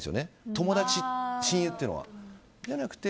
友達、親友っていうのは。